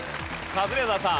カズレーザーさん。